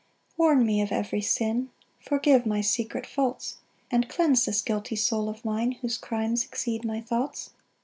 7 Warn me of every sin, Forgive my secret faults, And cleanse this guilty soul of mine, Whose crimes exceed my thoughts.